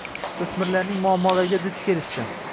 Oʻsmirlarning muammolariga duch kelishdi